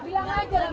bilang aja pak